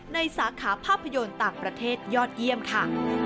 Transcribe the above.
สาขาภาพยนตร์ต่างประเทศยอดเยี่ยมค่ะ